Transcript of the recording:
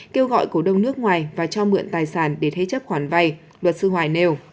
kêu gọi cổ đông nước ngoài và cho mượn tài sản để thế chấp khoản vay luật sư hoài nêu